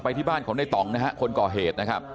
ต่อไปที่บ้านของในต่องนะครับคนก่อเหตุนะครับ